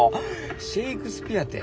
シェークスピアて。